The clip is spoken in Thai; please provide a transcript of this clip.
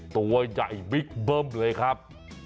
ตัวใหญ่บิ๊กเบิ้มเลยครับ